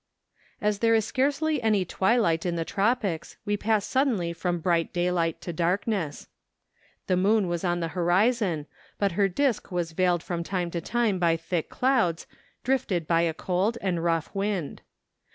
As there is scarcely any twilight in the tropics, we pass suddenly from bright daylight to darkness. Bridge iii the Cordilleras. The moon was on the horizon, but her disk was veiled from time to time by thick clouds, drifted by a cold and rough wind.